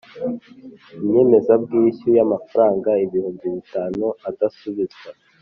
inyemezabwishyu y’amafaranga ibihumbi bitanu adasubizwa;